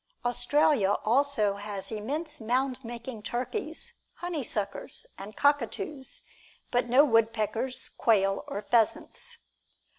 Australia also has immense mound making turkeys, honeysuckers and cockatoos, but no woodpeckers, quail or pheasants.